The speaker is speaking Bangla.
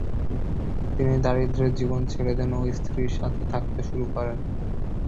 তিনি দারিদ্র্যের জীবন ছেড়ে দেন ও স্ত্রীর সাথে থাকতে শুরু করেন।